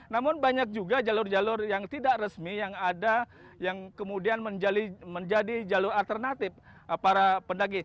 namun banyak juga jalur jalur yang tidak resmi yang ada yang kemudian menjadi jalur alternatif para pendaki